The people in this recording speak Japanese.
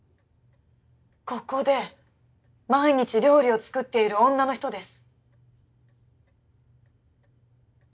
ここで毎日料理を作っている女の人です。